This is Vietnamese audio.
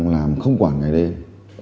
làm không quản ngày đêm